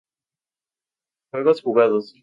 Juegos Jugados.